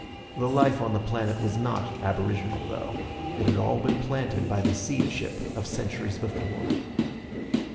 The life on the planet was not aboriginal, though. It had all been planted by the seed ship of centuries before.